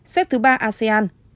xếp thứ ba asean